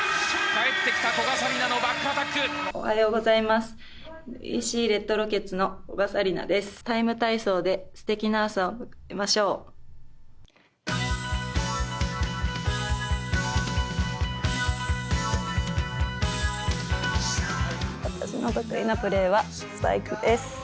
おはようございます。